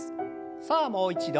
さあもう一度。